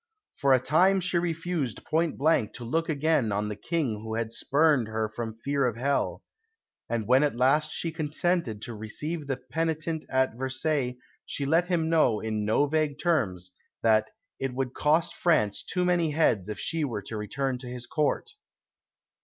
For a time she refused point blank to look again on the King who had spurned her from fear of hell; and when at last she consented to receive the penitent at Versailles she let him know, in no vague terms, that "it would cost France too many heads if she were to return to his Court."